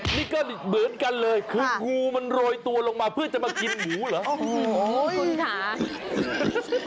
นี่ก็เหมือนกันเลยคือกูมันโรยตัวลงมาเพื่อจะมากินหมูเหรอ